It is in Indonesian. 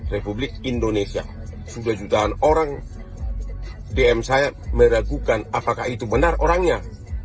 republik indonesia sudah jutaan orang dm saya meragukan apakah itu benar orangnya